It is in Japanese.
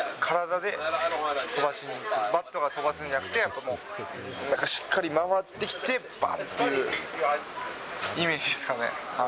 バットで飛ばすんじゃなくて、もう、なんかしっかり回ってきて、ばっていう、イメージですかね。